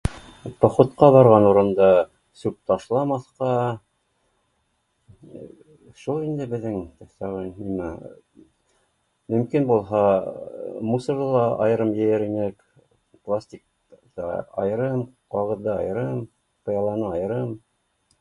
Походҡа барған урында сүп ташламаҫҡа, шул инде беҙҙең өҫтәүен нимә, мөмкин булһа мусорҙы ла айырым йыйыр инек, пластикты айырым, ҡағыҙҙы айырым, быяланы айырым